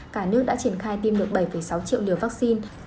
cả nước đã triển khai tiêm được bảy sáu triệu liều vaccine